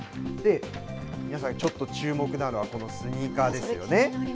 皆さん、ちょっと注目なのはこのスニーカーですよね。